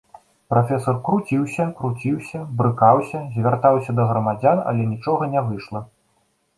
Прафесар круціўся, круціўся, брыкаўся, звяртаўся да грамадзян, але нічога не выйшла.